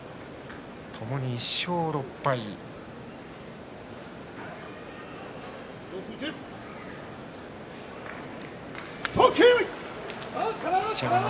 ともに１勝６敗です。